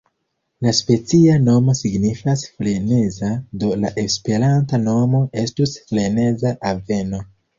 La specia nomo signifas freneza, do la esperanta nomo estus freneza aveno.